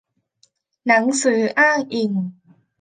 หนังสืออ้างอิง